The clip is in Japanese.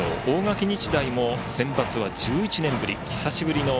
大垣日大もセンバツは１１年ぶり。